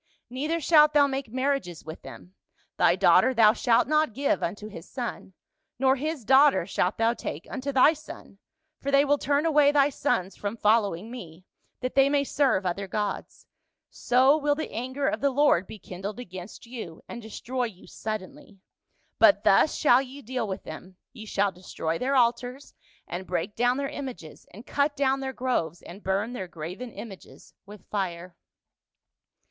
Neither shalt thou make marriages with them ; thy daughter thou shalt not give unto his son, nor his daughter shalt thou take unto thy son, for they will turn away thy sons from following me, that they may serve other gods : so will the anger of the Lord be kindled against you, and destroy you suddenly. But thus shall ye deal with them ; ye shall destroy their altars, and break down their images, and cut down their groves, and burn their graven images with fire.'